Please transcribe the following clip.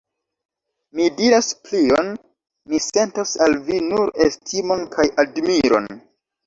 Mi diras plion: mi sentos al vi nur estimon kaj admiron.